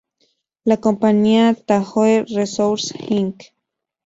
La compañía Tahoe Resources Inc.